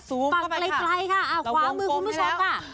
ซูมก็ไปค่ะขวามือคุณผู้ชมค่ะ